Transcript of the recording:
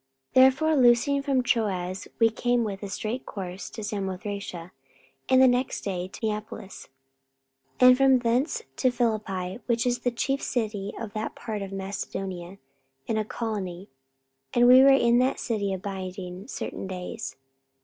44:016:011 Therefore loosing from Troas, we came with a straight course to Samothracia, and the next day to Neapolis; 44:016:012 And from thence to Philippi, which is the chief city of that part of Macedonia, and a colony: and we were in that city abiding certain days.